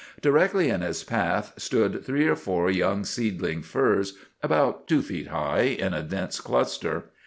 Directly in his path stood three or four young seedling firs, about two feet high, in a dense cluster.